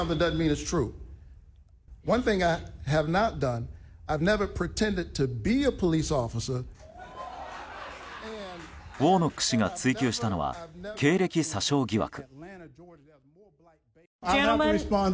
ウォーノック氏が追及したのは経歴詐称疑惑。